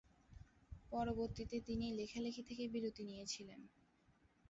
পরবর্তীতে তিনি লেখালেখি থেকে বিরতি নিয়েছিলেন।